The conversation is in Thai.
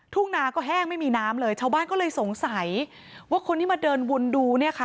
ทุ่งนาก็แห้งไม่มีน้ำเลยชาวบ้านก็เลยสงสัยว่าคนที่มาเดินวนดูเนี่ยค่ะ